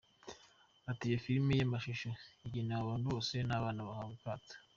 Ati "Iyo filime y’amashusho igenewe abantu bose, n’abana bahabwa akato.